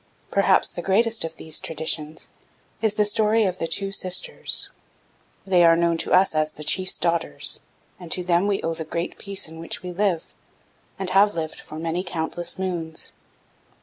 Perhaps the greatest of these traditions is the story of 'The Two Sisters,' for they are known to us as 'The Chief's Daughters,' and to them we owe the Great Peace in which we live, and have lived for many countless moons.